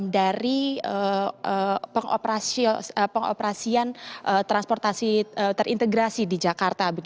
dari pengoperasian transportasi terintegrasi di jakarta